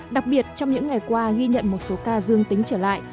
đặc biệt trong những ngày qua ghi nhận một số ca dương tính trở lại